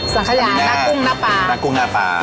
สังขยาน่ากุ้งหน้าปลา